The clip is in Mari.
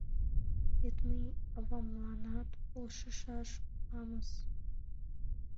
Вет мый авамланат полшышаш уламыс!